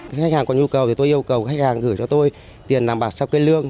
các khách hàng có nhu cầu thì tôi yêu cầu khách hàng gửi cho tôi tiền làm bạc sau cây lương